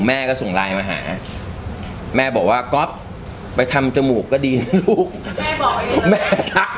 แม่ก็ส่งไลน์มาหาแม่บอกว่าก๊อฟไปทำจมูกก็ดีนะลูกแม่บอกแม่ทัก